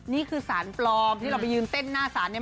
นี่คือสารปลอมที่เราไปยืนเต้นหน้าศาลเนี่ย